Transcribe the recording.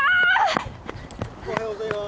おはようございます。